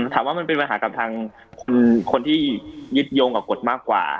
ถามว่ามันเป็นปัญหากับทางคนที่ยึดโยงกับกฎมากกว่า